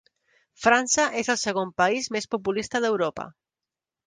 França és el segon país més populista d'Europa.